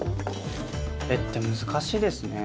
絵って難しいですね。